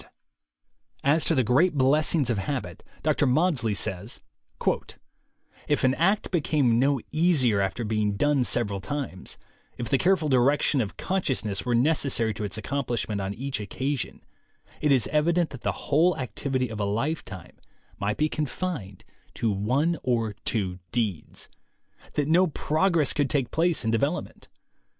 THE WAY TO WILL POWER 67 As to the great blessings of habit, Dr. Maudsley says: "If an act became no easier after being done several times, if the careful direction of conscious ness were necessary to its accomplishment on each occasion, it is evident that the whole activity of a lifetime might be confined to one or two deeds — that no progress could take place in development.